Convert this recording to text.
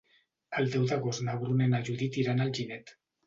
El deu d'agost na Bruna i na Judit iran a Alginet.